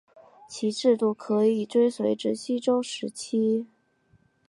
其制度可以追溯至西周时期。